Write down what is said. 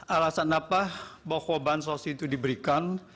alasan apa bahwa bansos itu diberikan